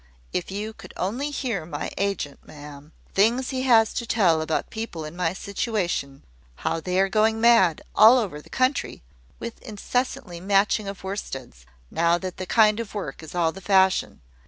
If you could only hear my agent, ma'am the things he has to tell about people in my situation how they are going mad, all over the country, with incessantly matching of worsteds, now that that kind of work is all the fashion.